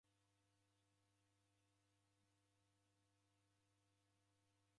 Kampuni egua kiria kiw'ishi.